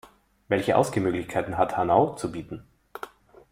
Welche Ausgehmöglichkeiten hat Hanau zu bieten?